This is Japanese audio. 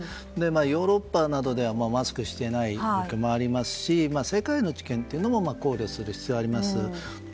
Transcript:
ヨーロッパなどではマスクをしていない状況もありますし世界の治験も考慮する必要があります。